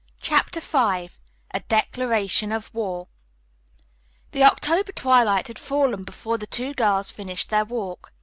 CHAPTER V A DECLARATION OF WAR The October twilight had fallen before the two girls finished their walk.